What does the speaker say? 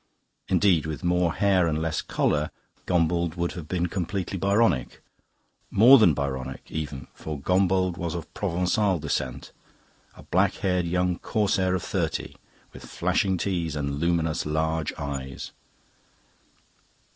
Indeed, with more hair and less collar, Gombauld would have been completely Byronic more than Byronic, even, for Gombauld was of Provencal descent, a black haired young corsair of thirty, with flashing teeth and luminous large dark eyes.